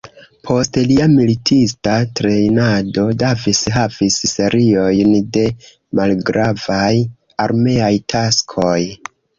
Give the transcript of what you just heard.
Post lia militista trejnado, Davis havis seriojn de malgravaj armeaj taskoj.